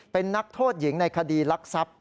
เป็นนักโทษหญิงในคดีลักทรัพย์